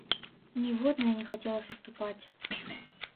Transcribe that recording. Ніводная не хацела саступаць.